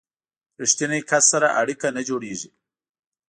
ریښتیني کس سره اړیکه نه جوړیږي.